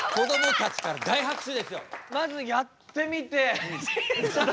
まずやってみて。